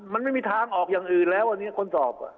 มันไม่มีทางออกอย่างอื่นแล้วอันนี้คนสอบ